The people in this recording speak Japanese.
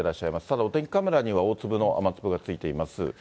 ただ、お天気カメラには、大粒の雨粒がついています。